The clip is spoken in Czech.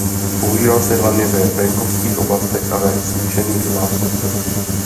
Používá se hlavně ve venkovských oblastech a ve smíšených domácnostech.